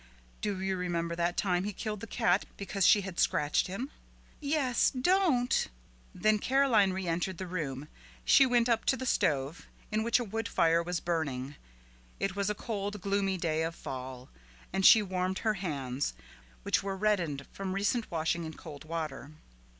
"Do you remember that time he killed the cat because she had scratched him?" "Yes. Don't!" Then Caroline reentered the room; she went up to the stove, in which a wood fire was burning it was a cold, gloomy day of fall and she warmed her hands, which were reddened from recent washing in cold water.